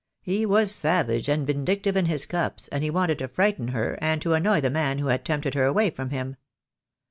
He was savage and vindictive in his cups, and he wanted to frighten her and to annoy the man who had tempted her away from him.